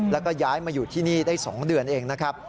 แล้วก็ย้ายมาอยู่ที่นี่ได้๒เดือนเองนะครับ